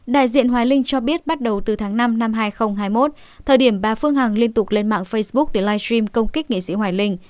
đại diện hoài linh cho biết bắt đầu từ tháng năm năm hai nghìn hai mươi một thời điểm bà phương hằng liên tục lên mạng facebook để live stream công kích nghệ sĩ hoài linh